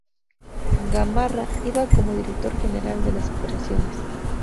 Gamarra iba como Director General de las operaciones.